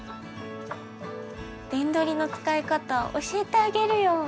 電ドリの使い方教えてあげるよ。